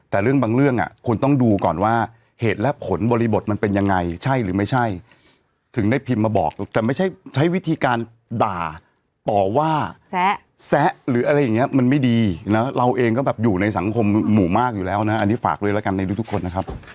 แต่เรื่องบางเรื่องอ่ะคุณต้องดูก่อนว่าเหตุและผลบริบทมันเป็นยังไงใช่หรือไม่ใช่ถึงได้พิมพ์มาบอกแต่ไม่ใช่ใช้วิธีการด่าต่อว่าแซะหรืออะไรอย่างนี้มันไม่ดีนะเราเองก็แบบอยู่ในสังคมหมู่มากอยู่แล้วนะอันนี้ฝากด้วยแล้วกันในทุกคนนะครับ